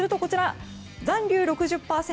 残留６０％